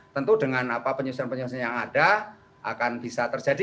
tentu dengan penyusunan penyusunan yang ada akan bisa terjadi